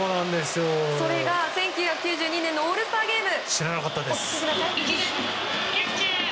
それが１９９２年のオールスターゲーム。